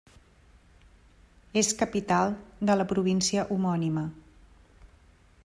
És capital de la província homònima.